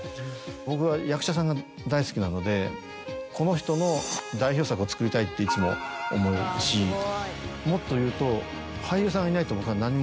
僕は役者さんが大好きなのでこの人の代表作を作りたいっていつも思うしもっと言うと。